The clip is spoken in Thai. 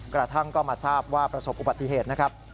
กระทั่งก็มาทราบว่าประสบอุบัติเหตุนะครับ